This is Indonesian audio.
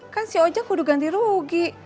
kan si ojek udah ganti rugi